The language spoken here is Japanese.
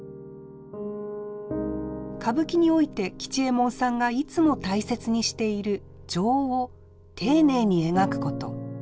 歌舞伎において吉右衛門さんがいつも大切にしている「情」を丁寧に描くこと。